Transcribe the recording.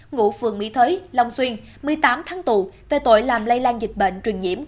ngụ phường mỹ thới long xuyên một mươi tám tháng tù về tội làm lây lan dịch bệnh truyền nhiễm